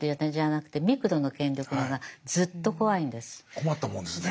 困ったもんですね。